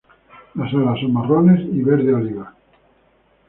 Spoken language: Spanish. Las alas son marrones y verde oliva.